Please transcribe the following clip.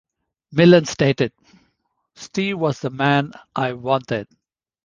Millen stated: Steve was the man I wanted.